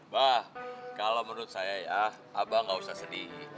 bah kalau menurut saya ya abah tidak perlu sedih